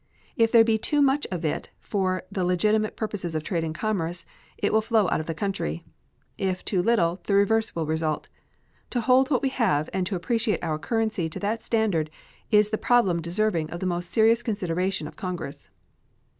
If there be too much of it for the legitimate purposes of trade and commerce, it will flow out of the country. If too little, the reverse will result. To hold what we have and to appreciate our currency to that standard is the problem deserving of the most serious consideration of Congress.